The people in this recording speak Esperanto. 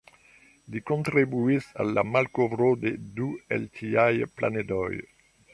Li kontribuis al la malkovro de du el tiaj planedoj.